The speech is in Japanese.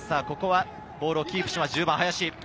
ここはボールをキープしたのは１０番・林。